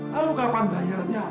lalu kapan bayarnya